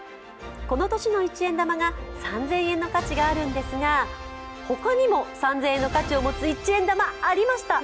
この年の一円玉が３０００円の価値があるんですが他にも３０００円の価値を持つ一円玉ありました。